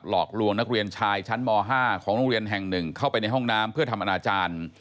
หลอกลวงนักเรียนชายชั้นม๕ของโรงเรียนแห่งหนึ่งเข้าไปในห้องน้ำเพื่อทำอนาจารย์